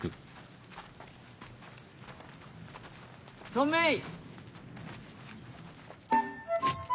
止めい。